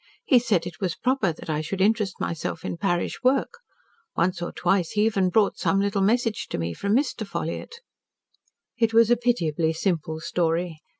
He said it was proper that I should interest myself in parish work. Once or twice he even brought some little message to me from Mr. Ffolliott." It was a pitiably simple story.